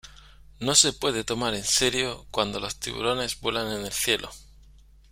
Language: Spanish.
No se puede tomar en serio cuando los tiburones vuelan en el cielo.